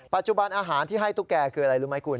ปัจจุบันอาหารที่ให้ตุ๊กแกคืออะไรรู้ไหมคุณ